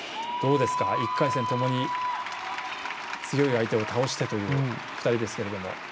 １回戦ともに強い相手を倒してという２人ですけれども。